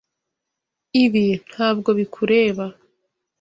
Ibi ntabwo bikureba.